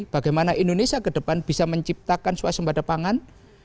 bagaimana indonesia ke depan bisa menciptakan suasembada pangan